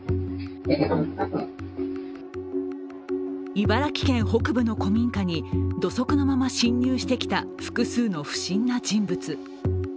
茨城県北部の古民家に土足のまま侵入してきた複数の不審な人物。